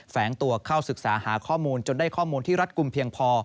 แฝงตัวเข้าศึกษาหาข้อมูลจนได้ข้อมูลที่รัฐกลุ่มเพียงพอ